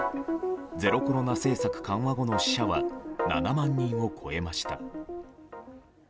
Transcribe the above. ゼロコロナ政策緩和後の死者は７万人を超えました。